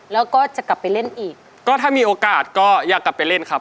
แล้วก็จะกลับไปเล่นอีกก็ถ้ามีโอกาสก็อยากกลับไปเล่นครับ